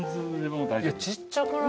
ちっちゃくない？